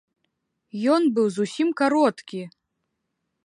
Ён быў зусім кароткі.